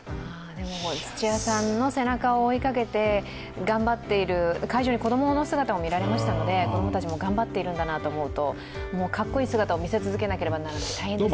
でも土屋さんの背中を追いかけている頑張っている会場に子供の姿もみられましたので子供たちも頑張っているんだなと思うと、かっこいい姿を見せ続けなければいけない、大変ですね。